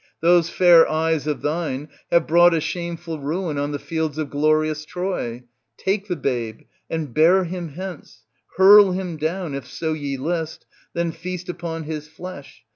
Those fair eyes of thine have brought a shame ful ruin on the fields of glorious Troy. Take the babe and bear him hence, hurl him down if so ye list, then feast upon his flesh